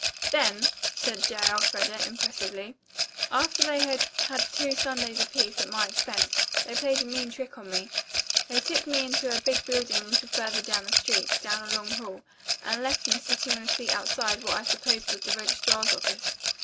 "Then," said J. Elfreda impressively, "after they had had two sundaes apiece, at my expense, they played a mean trick on me. They took me into a big building a little further down the street, down a long hall, and left me sitting on a seat outside what I supposed was the registrar's office.